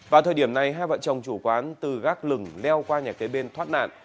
vào thời điểm này hai vợ chồng chủ quán từ gác lửng leo qua nhà kế bên thoát nạn